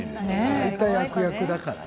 大体、悪役だからね。